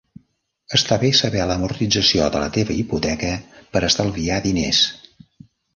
Està bé saber l'amortització de la teva hipoteca per estalviar diners.